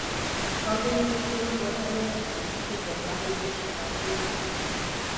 长清区是中国山东省济南市所辖的一个市辖区。